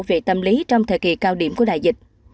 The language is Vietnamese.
về tâm lý trong thời kỳ cao điểm của đại dịch